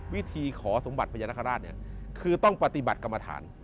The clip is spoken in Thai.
วิธีขอสมบัติพญานาคาราชเนี่ยคือต้องปฏิบัติกรรมฐาน